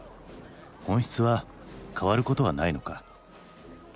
本質は変わることはないのか？